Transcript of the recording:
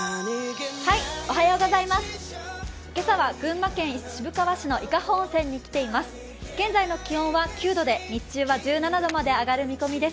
今朝は群馬県渋川市の伊香保温泉に来ています。